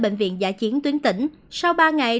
bệnh viện giả chiến tuyến tỉnh sau ba ngày